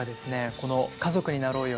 この「家族になろうよ」